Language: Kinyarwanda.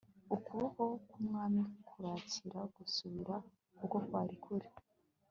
ukuboko kumwami kurakira gusubira uko kwari kuri